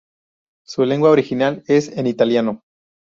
Su lengua original es en italiano.